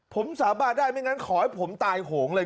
ผมสาบานได้ไม่งั้นขอให้ผมตายโหงเลย